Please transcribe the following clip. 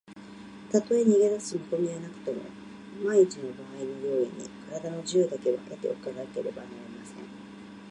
たとえ逃げだす見こみはなくとも、まんいちのばあいの用意に、からだの自由だけは得ておかねばなりません。